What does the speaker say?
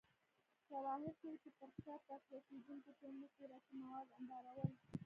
شواهد ښيي چې پر ښکار تغذیه کېدونکې ټولنې خوراکي مواد انبارول